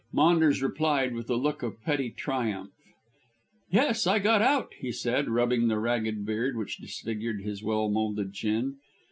Maunders replied to the look with petty triumph. "Yes, I got out," he said, rubbing the ragged beard which disfigured his well moulded chin.